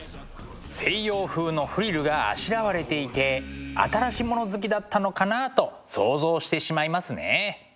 西洋風のフリルがあしらわれていて新し物好きだったのかなと想像してしまいますね。